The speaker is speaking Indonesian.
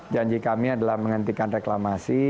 janji kami adalah menghentikan reklamasi